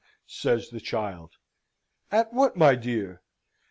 says the child. "At what, my dear?"